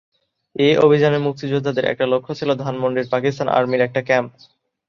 এ অভিযানে মুক্তিযোদ্ধাদের একটা লক্ষ্য ছিল ধানমন্ডির পাকিস্তান আর্মির একটা ক্যাম্প।